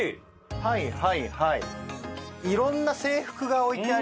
はいはいはい。